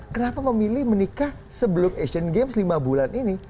kenapa memilih menikah sebelum asian games lima bulan ini